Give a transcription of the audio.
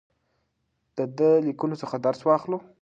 د ده له لیکنو څخه درس واخلو.